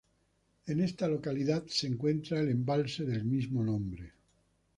En esta localidad se encuentra el embalse del mismo nombre.